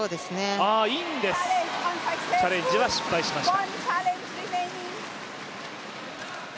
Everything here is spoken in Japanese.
インです、チャレンジは失敗しました。